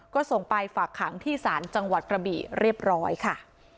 ก็ส่งไปฝากขังที่ศาลจังหวัดกระบี่เรียบร้อยค่ะ